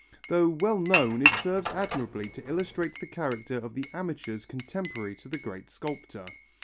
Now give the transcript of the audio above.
Though well known it serves admirably to illustrate the character of the amateurs contemporary to the great sculptor.